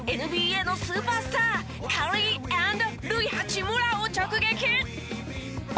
ＮＢＡのスーパースターカリー＆ルイハチムラを直撃！